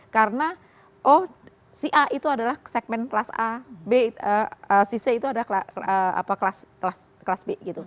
karena si a itu adalah segmen kelas a si c itu adalah kelas b